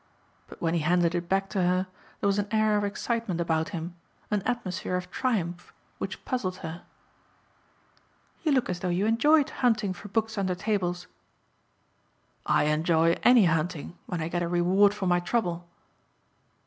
But when he handed it back to her there was an air of excitement about him, an atmosphere of triumph which puzzled her. "You look as though you enjoyed hunting for books under tables." "I enjoy any hunting when I get a reward for my trouble."